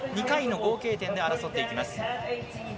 ２回の合計点で争っていきます。